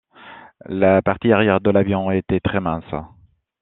La partie arrière de l'avion était très mince.